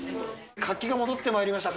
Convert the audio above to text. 活気が戻ってまいりましたか。